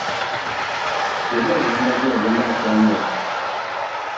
Jɔjɔɔ liwanda jɔɔ li nga sɔ a ŋlɛɛ ?